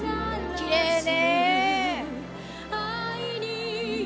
きれいね。